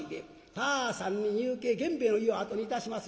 さあ３人夕景源兵衛の家を後にいたします。